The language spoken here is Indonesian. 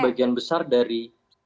bagian besar dari